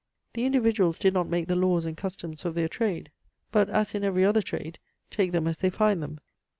The individuals did not make the laws and customs of their trade, but, as in every other trade, take them as they find them.